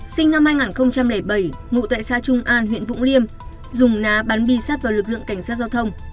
sinh năm hai nghìn bảy ngụ tại xã trung an huyện vũng liêm dùng đá bắn bi sát vào lực lượng cảnh sát giao thông